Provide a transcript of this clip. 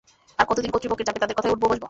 আর কতদিন কর্তৃপক্ষের চাপে তাদের কথায় উঠবো-বসবো?